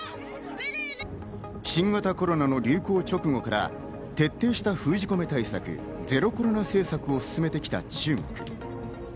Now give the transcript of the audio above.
新型コロナの流行直後から徹底した封じ込め対策、ゼロコロナ政策を進めてきた中国。